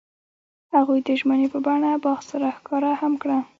هغوی د ژمنې په بڼه باغ سره ښکاره هم کړه.